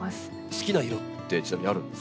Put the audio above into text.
好きな色ってちなみにあるんですか？